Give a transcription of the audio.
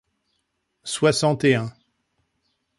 soixante-et-un